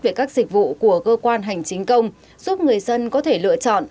về các dịch vụ của cơ quan hành chính công giúp người dân có thể lựa chọn